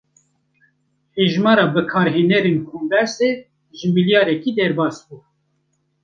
Hejmara bikarhênerên kombersê, ji milyareke derbas bû